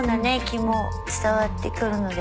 気も伝わってくるので。